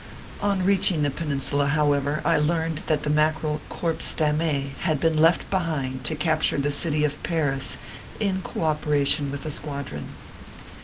On reaching the Peninsula, however, I learned that the Mackerel " corpse darnmee" had been left behind to capture the city of Paris in co operation with a squadron.